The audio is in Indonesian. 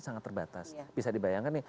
sangat terbatas bisa dibayangkan nih